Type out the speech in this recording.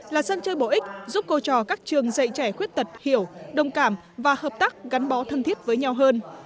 là sân chơi bổ ích giúp cô trò các trường dạy trẻ khuyết tật hiểu đồng cảm và hợp tác gắn bó thân thiết với nhau hơn